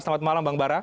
selamat malam bang barah